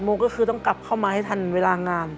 ก็คือต้องกลับเข้ามาให้ทันเวลางาน